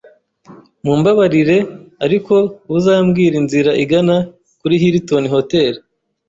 Mumbabarire, ariko uzambwira inzira igana kuri Hilton Hotel?